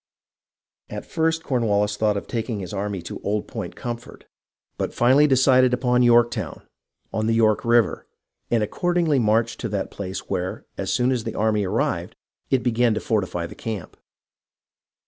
At first Cornwallis thought of taking his army to Old 368 HISTORY OF THE AMERICAN REVOLUTION Point Comfort, but finally decided upon Yorktown, on the York River, and accordingly marched to that place, where, as soon as the army arrived, it began to fortify the camp.